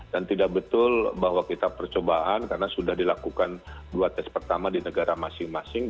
dan tidak betul bahwa kita percobaan karena sudah dilakukan dua tes pertama di negara masing masing